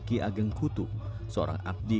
ki ageng kutu seorang abdi